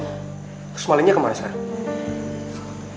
terus malingnya kemana sekarang